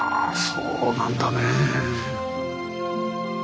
そうなんだねえ。